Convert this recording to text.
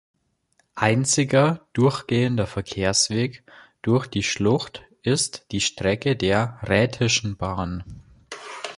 Einziger durchgehender Verkehrsweg durch die Schlucht ist die Strecke der Rhätischen Bahn.